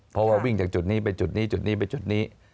เพราะว่าวิ่งจากจุดนี้ไปจุดนี้จุดนี้ไปจุดนี้